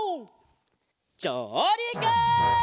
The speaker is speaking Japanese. じょうりく！